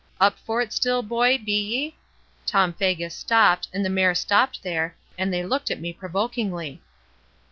"Up for it still, boy, be ye?" Tom Faggus stopped, and the mare stopped there; and they looked at me provokingly.